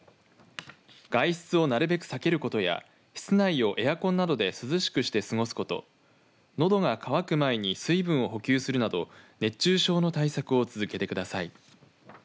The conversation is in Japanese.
外出をなるべく避けることや室内をエアコンなどで涼しくして過ごすことのどが渇く前に水分を補給するなど熱中症の対策を続けてください。